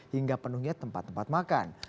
hingga penuhnya tempat tempat makan